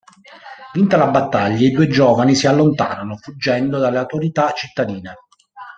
Vinta la battaglia, i due giovani si allontanano, fuggendo dalle autorità cittadine.